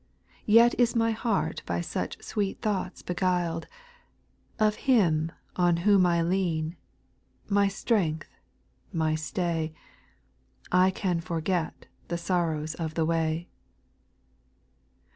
Yet is my heart by such sweet thoughts "be guiled, Of Him on whom I lean, my strength, my stay, I can forget the sorrows of the way.